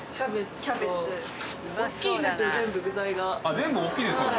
全部大きいですよね。